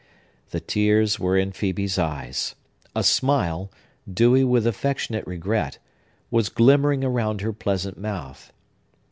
The tears were in Phœbe's eyes; a smile, dewy with affectionate regret, was glimmering around her pleasant mouth.